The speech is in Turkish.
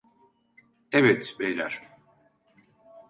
Evet beyler.